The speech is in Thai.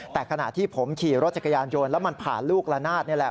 แต่ขณะที่ผมขี่รถจักรยานยนต์แล้วมันผ่านลูกละนาดนี่แหละ